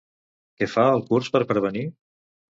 Què fa el curs per prevenir?